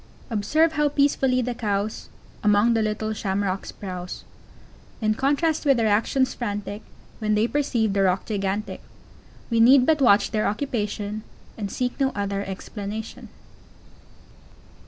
] Observe how peacefully the Cows Among the little Shamrocks browse, In contrast with their actions frantic When they perceive the Roc gigantic; We need but watch thei_r oc_upation, And seek no other explanation.